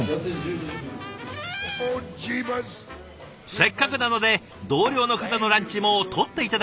せっかくなので同僚の方のランチも撮って頂きました。